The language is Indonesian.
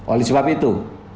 oleh sebab itu